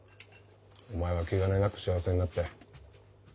お前は気兼ねなく幸せになって。